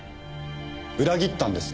裏切ったんです。